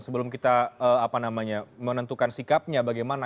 sebelum kita apa namanya menentukan sikapnya bagaimana